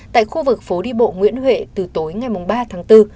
tại khu vực phố đi bộ nguyễn huệ từ tối ngày ba tháng bốn